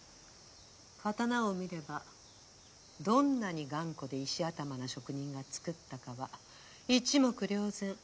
刀を見ればどんなに頑固で石頭な職人が作ったかは一目瞭然。